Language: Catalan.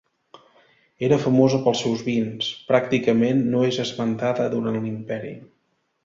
Era famosa pels seus vins; pràcticament, no és esmentada durant l'Imperi.